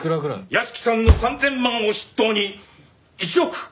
屋敷さんの３０００万を筆頭に１億２０００万。